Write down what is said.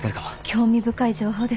興味深い情報です。